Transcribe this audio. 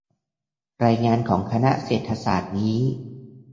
รายงานของคณะเศรษฐศาสตร์นี้